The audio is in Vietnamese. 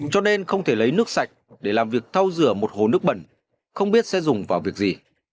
cho nên không thể lấy nước sạch để làm việc thu rửa một hồ nước bẩn không biết sẽ dùng vào việc gì